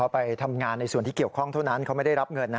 ไปทำงานในส่วนที่เกี่ยวข้องเท่านั้นเขาไม่ได้รับเงิน